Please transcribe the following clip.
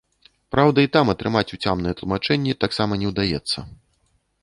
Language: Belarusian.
Праўда, і там атрымаць уцямныя тлумачэнні таксама не ўдаецца.